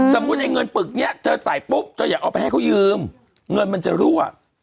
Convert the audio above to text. ไอ้เงินปึกนี้เธอใส่ปุ๊บเธออยากเอาไปให้เขายืมเงินมันจะรั่ว